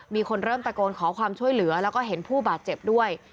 มีคนเริ่มตะโกนขอความช่วยเหลือแล้วก็เห็นผู้บาดเจ็บด้วย